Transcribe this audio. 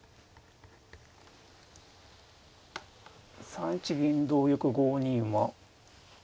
３一銀同玉５二馬。